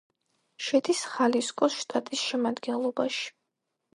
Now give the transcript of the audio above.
შედის ხალისკოს შტატის შემადგენლობაში.